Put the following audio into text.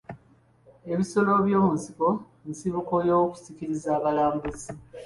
Ebisolo byomunsiko nsibuko y'okusikiriza abalambuzi.